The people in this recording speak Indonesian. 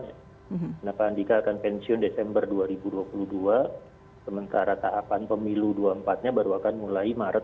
kenapa andika akan pensiun desember dua ribu dua puluh dua sementara tahapan pemilu dua ribu dua puluh empat nya baru akan mulai maret dua ribu dua puluh tiga